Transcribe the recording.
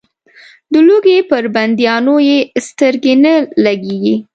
د لوږې پر بندیانو یې سترګې نه لګېږي.